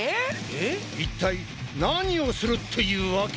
一体何をするっていうわけ？